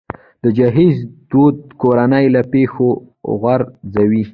د جهیز دود کورنۍ له پښو غورځوي.